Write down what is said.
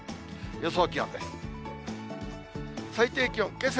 予想気温です。